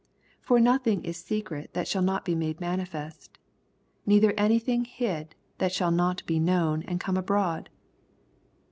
17 For nothing is secret, that shaD Oot be made manifest ; neither tm^ Min^ hid, that shall not be known and come abroad.